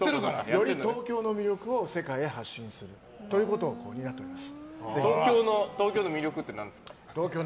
より東京の魅力を世界へ発信するということを東京の魅力って何ですか？